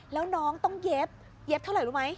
แล้วน้องต้องเย็บเย็บเท่าไหร่รู้ไหม